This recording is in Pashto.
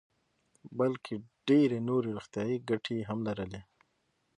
بلکې ډېرې نورې روغتیايي ګټې هم لري.